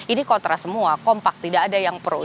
ini kontra semua kompak tidak ada yang pro